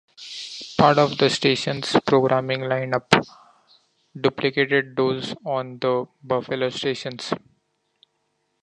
Part of the station's programming lineup duplicated those on the Buffalo stations.